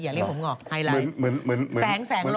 อย่าเรียกผมงอกไฮไลท์